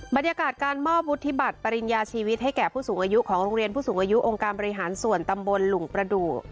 บรรยากาศการมอบวุฒิบัตรปริญญาชีวิตให้แก่ผู้สูงอายุของโรงเรียนผู้สูงอายุองค์การบริหารส่วนตำบลหลุงประดูก